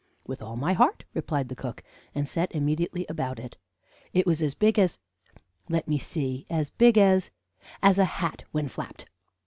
"'With all my heart,' replied the cook, and set immediately about it. It was as big as let me see as big as as a hat when flapped.